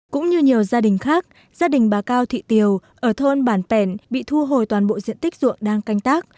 cũng như nhiều gia đình khác gia đình bà cao thị tiều ở thôn bản pèn bị thu hồi toàn bộ diện tích ruộng đang canh tác